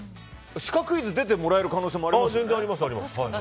シカクイズに出てもらえる可能性もありますよね。